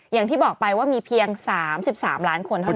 อย่างที่บอกไปว่ามีเพียง๓๓ล้านคนเท่านั้น